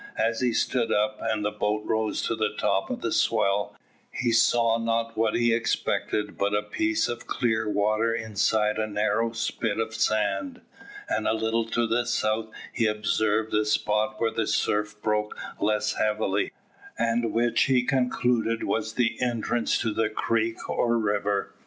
As he stood up, and the boat rose to the top of the swell, he saw not what he expected, but a piece of clear water inside a narrow spit of sand, and a little to the south he observed a spot where the surf broke less heavily, and which he concluded was the entrance to the creek or river.